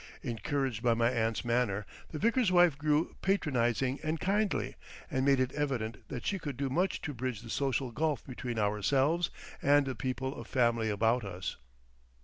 Encouraged by my aunt's manner, the vicar's wife grew patronising and kindly, and made it evident that she could do much to bridge the social gulf between ourselves and the people of family about us.